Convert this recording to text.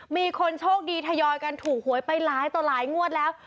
มีคนโชคดีทยอยกันถูกหวยไปหลายต่อหลายงวดแล้ว